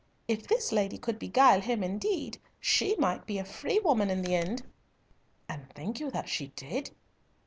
If this lady could beguile him indeed, she might be a free woman in the end." "And think you that she did?"